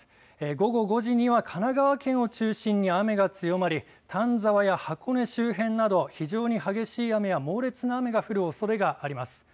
午後５時には神奈川県を中心に雨が強まり丹沢や箱根周辺など非常に激しい雨や猛烈な雨が降るおそれがあります。